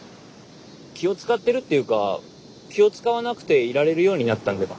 気をつかってるっていうか気をつかわなくていられるようになったんでは？